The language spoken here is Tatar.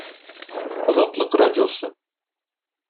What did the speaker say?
Азатлык радиосы